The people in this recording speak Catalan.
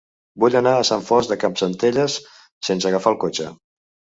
Vull anar a Sant Fost de Campsentelles sense agafar el cotxe.